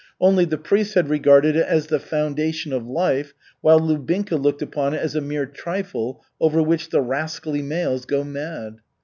Only the priest had regarded it as the "foundation of life," while Lubinka looked upon it as a mere trifle over which the "rascally males" go mad.